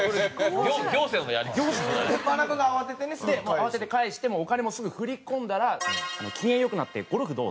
慌てて返してもうお金もすぐ振り込んだら機嫌良くなって「ゴルフどう？」